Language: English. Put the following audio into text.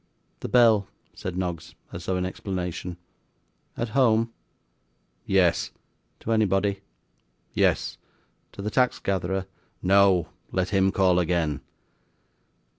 'The bell,' said Noggs, as though in explanation. 'At home?' 'Yes.' 'To anybody?' 'Yes.' 'To the tax gatherer?' 'No! Let him call again.